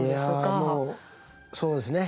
いやもうそうですね。